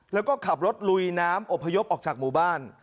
แล้วก็ขับรถลุยน้ำอบพยพออกจากหมู่บ้าน